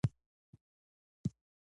د لیکوالو ورځ د هغوی د مبارزې ستاینه ده.